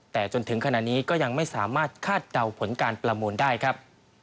แต่จนถึงขณะนี้ก็ยังไม่สามารถคาดเดาผลการประมูลได้ครับ